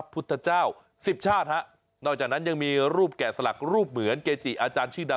ไปกันตัวอีกปิด